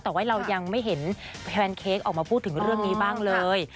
แต่ว่าเรายังไม่เห็นแพนเค้กออกมาพูดถึงเรื่องนี้บ้างเลย